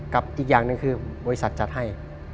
อีกอย่างหนึ่งคือบริษัทจัดให้